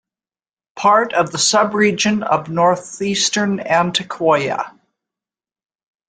Part of the subregion of Northeastern Antioquia.